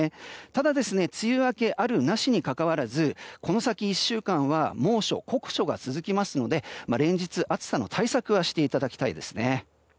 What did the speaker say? ただ梅雨明けあるなしにかかわらずこの先１週間は猛暑、酷暑が続きますので連日暑さの対策はしていただきたいですね。